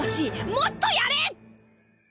もっとやれ！